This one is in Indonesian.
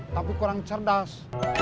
tapi kurang cerdas